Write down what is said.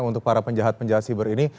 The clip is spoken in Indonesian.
untuk para penjahat penjahat siber ini